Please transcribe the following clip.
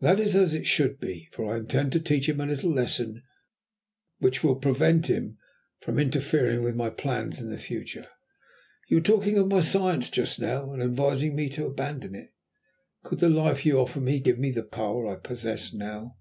That is as it should be; for I intend to teach him a little lesson which will prevent him from interfering with my plans in the future. You were talking of my science just now, and advising me to abandon it. Could the life you offer me give me the power I possess now?